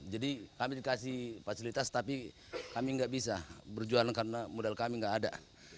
jadi kami dikasih fasilitas tapi kami enggak bisa berjualan karena modal kami enggak ada